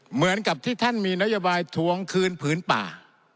เหมือนกับที่ท่านมีนโยบายทวงคืนผืนป่า